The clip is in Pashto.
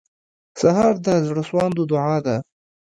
سهار د زړسواندو دعا ده.